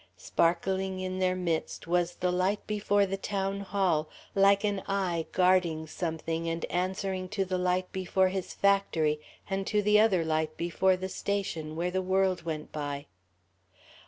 Sparkling in their midst was the light before the Town Hall, like an eye guarding something and answering to the light before his factory and to the other light before the station, where the world went by.